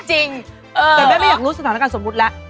แต่แม่ไม่อยากรู้สถานการณ์สมมุติแล้ว